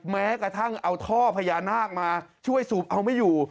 แม้กระทั่งเอาท่อพญานาคมาช่วยสูบเอาไม่อยู่